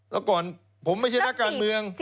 แล้วก่อนผมไม่ใช่นักการเมือง